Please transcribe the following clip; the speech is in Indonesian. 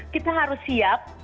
kita harus siap